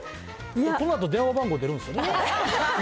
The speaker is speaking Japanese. このあと電話番号出るんですよね。